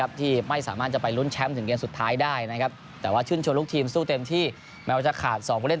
กับพีทีบุรีวัฒน์เชิญบุรีที่คว้าแชมป์เป็นครองครับ